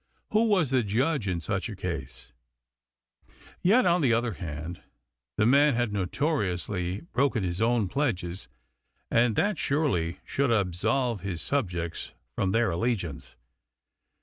Who was the judge in such a case? Yet, on the other hand, the man had notoriously broken his own pledges, and that surely should absolve his subjects from their allegiance.